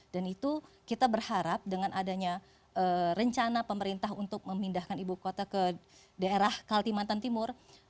dan itu kita berharap dengan adanya rencana pemerintah untuk memindahkan ibu kota ke daerah kaltimantan timur